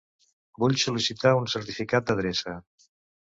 Vull sol·licitar un certificat d'adreça.